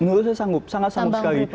menurut saya sanggup sangat sanggup sekali